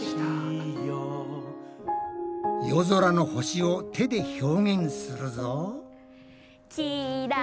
夜空の星を手で表現するぞ。